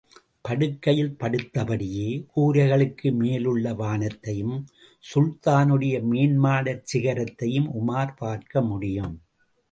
படுக்கையில் படுத்தபடியே, கூரைகளுக்கு மேல் உள்ள வானத்தையும், சுல்தானுடைய மேன்மாடச் சிகரத்தையும் உமார் பார்க்க முடியும்.